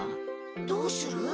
どうする？